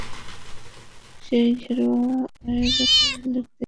সেই ঘেরাওয়ের খবর লিখতে গিয়ে দৈনিক বাংলার বাণী থেকে চাকরি হারিয়েছিলাম।